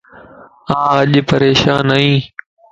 آن اڄ پريشان ائي